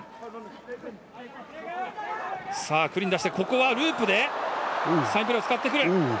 クリーンに出してここはループでサインプレーを使ってくる。